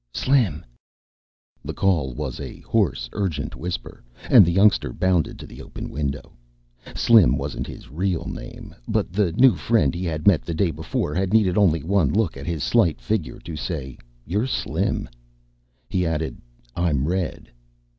"Slim!" The call was a hoarse, urgent whisper, and the youngster bounded to the open window. Slim wasn't his real name, but the new friend he had met the day before had needed only one look at his slight figure to say, "You're Slim." He added, "I'm Red."